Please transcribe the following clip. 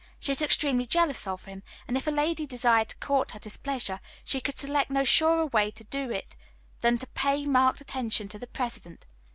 She was extremely jealous of him, and if a lady desired to court her displeasure, she could select no surer way to do it than to pay marked attention to the President.